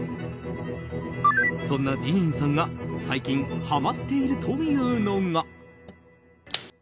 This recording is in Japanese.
そんなディーンさんが最近ハマっているというのが。